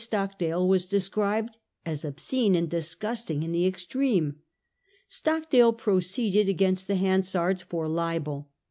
Stockdale was described as obscene and disgusting in the extreme. Stockdale proceeded against the Han sards for libel.